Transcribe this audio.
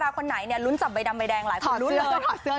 ถ้าสัญญาคนใหญ่ลุ้นจบใบดำใบแดงหลายคนถอดเสื้อ